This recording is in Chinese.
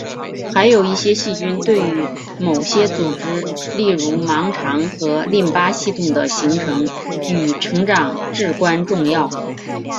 还有一些细菌对于某些组织例如盲肠和淋巴系统的形成与成长至关重要。